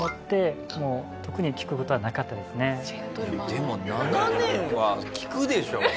でも７年は聞くでしょ？